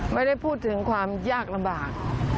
ไม่ได้พูดถึงความยากลำบาก